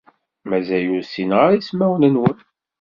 Mazal ur ssineɣ ara isemawen-nwen.